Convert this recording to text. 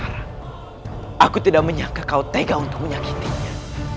aku tidak menyangka kau tega untuk menyakitinya